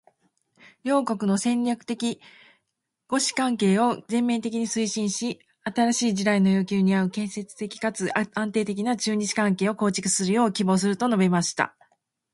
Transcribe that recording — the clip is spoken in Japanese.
「両国の戦略的互恵関係を全面的に推進し、新しい時代の要求に合う建設的かつ安定的な中日関係を構築するよう希望する」と述べました。